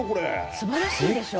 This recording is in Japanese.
すばらしいでしょ？